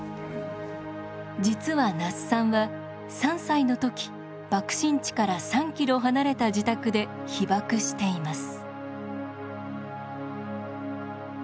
実は那須さんは３歳の時爆心地から３キロ離れた自宅で被爆しています。